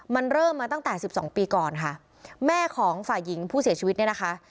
มันเริ่มมาตั้งแต่สิบสองปีก่อนค่ะแม่ของฝ่ายหญิงผู้เสียชีวิตเนี่ยนะคะ